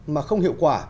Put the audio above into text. mà không hiệu quả